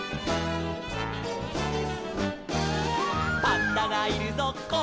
「パンダがいるぞこっちだ」